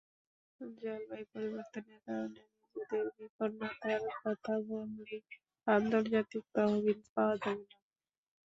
জলবায়ু পরিবর্তনের কারণে নিজেদের বিপন্নতার কথা বললেই আন্তর্জাতিক তহবিল পাওয়া যাবে না।